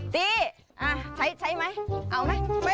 ตี้ใช้ไหมเอาไหม